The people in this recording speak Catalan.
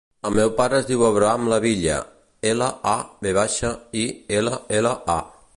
El meu pare es diu Abraham Lavilla: ela, a, ve baixa, i, ela, ela, a.